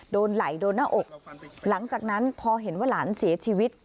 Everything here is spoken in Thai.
โดนไหลโดนหน้าอกหลังจากนั้นพอเห็นว่าหลานเสียชีวิต